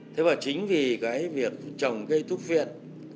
thế và chính vì cái việc trồng cây thuốc viện